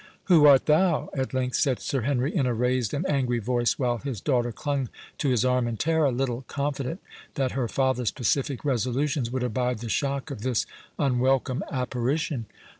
"Who art thou?" at length said Sir Henry, in a raised and angry voice, while his daughter clung to his arm in terror, little confident that her father's pacific resolutions would abide the shock of this unwelcome apparition.